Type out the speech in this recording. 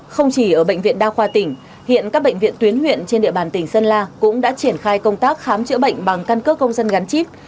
không chỉ ở bệnh viện đa khoa tỉnh hiện các bệnh viện tuyến huyện trên địa bàn tỉnh sơn la cũng đã triển khai công tác khám chữa bệnh bằng căn cước công dân gắn chip